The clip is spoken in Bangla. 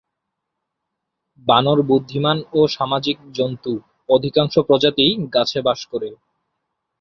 বানর বুদ্ধিমান ও সামাজিক জন্তু; অধিকাংশ প্রজাতিই গাছে বাস করে।